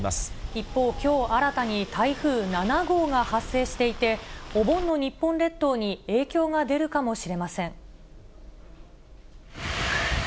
一方、きょう新たに台風７号が発生していて、お盆の日本列島に影響が出るかもしれません。